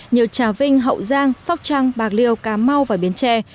như trà vinh hậu giang sóc trăng bạc liêu cà mau và biến tre